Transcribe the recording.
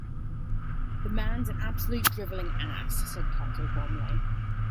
"The man's an absolute drivelling ass," said Carter warmly.